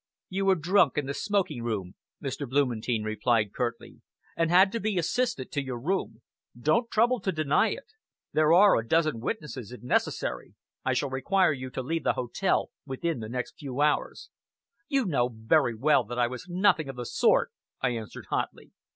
"You were drunk in the smoking room," Mr. Blumentein replied curtly, "and had to be assisted to your room. Don't trouble to deny it. There are a dozen witnesses, if necessary. I shall require you to leave the hotel within the next few hours." "You know very well that I was nothing of the sort," I answered hotly.